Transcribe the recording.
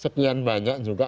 sekian banyak juga